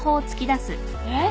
えっ？